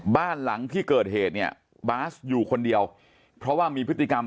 บ้านหลังที่เกิดเหตุเนี่ยบาสอยู่คนเดียวเพราะว่ามีพฤติกรรม